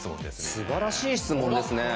すばらしい質問ですね。